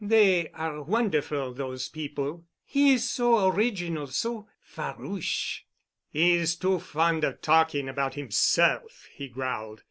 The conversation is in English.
"They are wonderful, those people. He is so original—so farouche." "He's too fond of talking about himself," he growled.